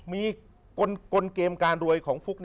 มีกลเกมการรวยของฟุก